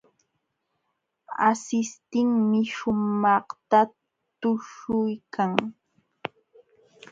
Asishtinmi shumaqta tuśhuykan.